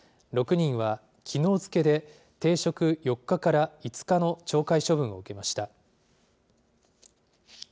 ６人はきのう付けで、停職４日から５日の懲戒処分を受けました。